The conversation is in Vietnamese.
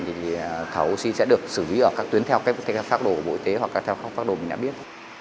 thì thảo xin sẽ được xử lý ở các tuyến theo các pháp đồ bộ y tế hoặc theo các pháp đồ mình đã biết